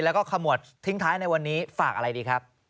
แล้วก็ขมวดทิ้งท้ายในวันนี้ฝากอะไรดีครับ